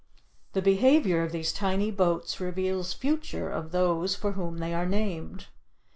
The behavior of these tiny boats reveals future of those for whom they are named.